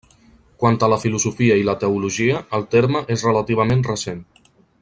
Quant a la filosofia i la teologia el terme és relativament recent.